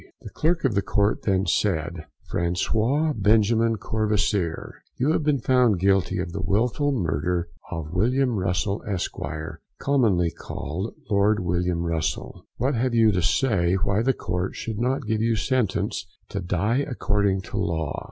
The Clerk of the Court then said: François Benjamin Courvoisier, you have been found Guilty of the wilful murder of William Russell, Esq., commonly called Lord William Russell; what have you to say why the court should not give you sentence to die according to law?